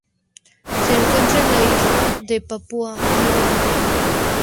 Se encuentra en la isla de Papúa Nueva Guinea.